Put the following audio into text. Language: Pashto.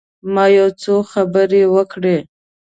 ما یو څو خبرې وکړې.